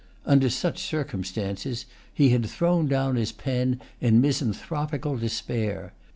Under such circumstances, he had thrown down his pen in misanthropical despair.